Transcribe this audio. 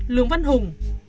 lương văn hùng